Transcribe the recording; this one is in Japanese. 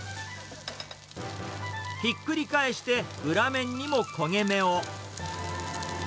ひっくり返して、裏面にも焦げ目を。